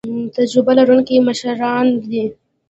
تجربه لرونکي مشران دي